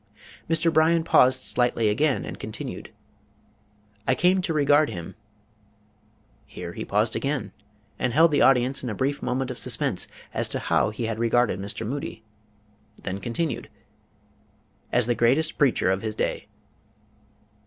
Mr. Bryan paused slightly again and continued: "I came to regard him" here he paused again and held the audience in a brief moment of suspense as to how he had regarded Mr. Moody, then continued "as the greatest preacher of his day."